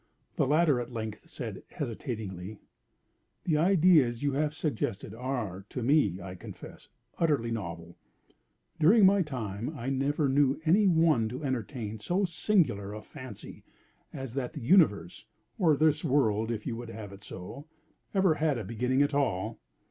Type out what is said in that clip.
The latter at length said, hesitatingly: "The ideas you have suggested are to me, I confess, utterly novel. During my time I never knew any one to entertain so singular a fancy as that the universe (or this world if you will have it so) ever had a beginning at all.